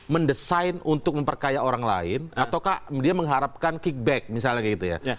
mendesain untuk memperkaya orang lain ataukah dia mengharapkan kickback misalnya gitu ya